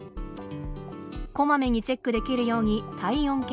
こまめにチェックできるように体温計。